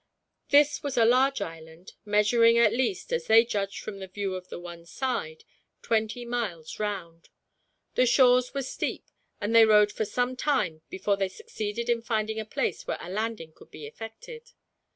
This was a large island, measuring at least, as they judged from the view of the one side, twenty miles round. The shores were steep, and they rowed for some time before they succeeded in finding a place where a landing could be effected.